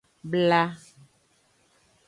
Bla.